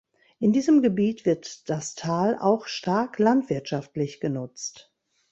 In diesem Gebiet wird das Tal auch stark landwirtschaftlich genutzt.